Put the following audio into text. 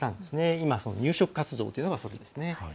今、入植活動というのがそれなんですね。